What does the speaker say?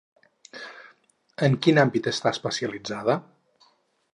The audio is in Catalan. En quin àmbit està especialitzada?